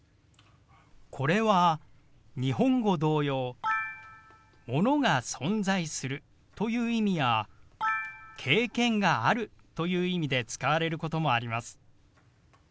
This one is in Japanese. これは日本語同様「ものが存在する」という意味や「経験がある」という意味で使われることもあります。